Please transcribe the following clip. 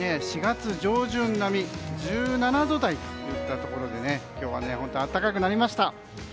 ４月上旬並み１７度台といったところで今日は本当に暖かくなりました。